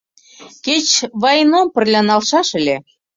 — Кеч Вайном пырля налшаш ыле.